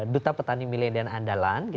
duta petani milenian andalan